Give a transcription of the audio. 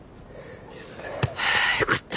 はあよかった。